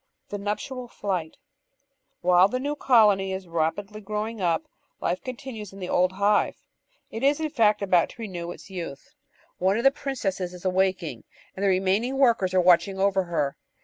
The Nuptial Flight While the new colony is rapidly growing up, life continues in the old hive; it is, in fact, about to renew its youth. One of Natural Histoty 527 the princesses is awakening, and the remaining workers are watching over her.